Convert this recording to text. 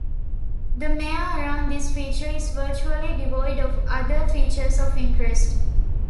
The mare around this feature is virtually devoid of other features of interest.